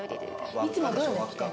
いつもどういうの？